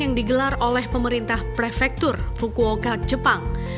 yang digelar oleh pemerintah prefektur fukuoka jepang